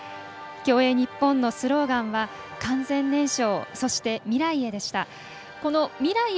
競泳日本のスローガンは「完全燃焼、そして未来へ」。